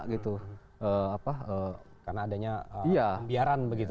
karena adanya pembiaran begitu